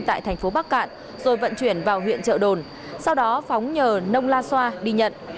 tại thành phố bắc cạn rồi vận chuyển vào huyện trợ đồn sau đó phóng nhờ nông la xoa đi nhận